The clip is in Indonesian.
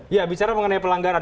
ya bicara mengenai pelanggaran